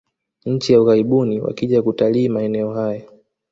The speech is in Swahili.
nchi za ughaibuni wakija kutalii maeneo haya